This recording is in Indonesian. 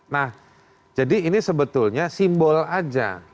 nah jadi ini sebetulnya simbol aja